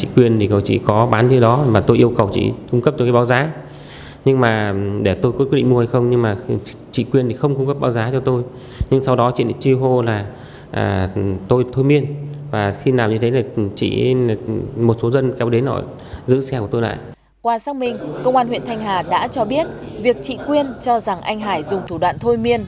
qua xác minh công an huyện thanh hà đã cho biết việc chị quyên cho rằng anh hải dùng thủ đoạn thôi miên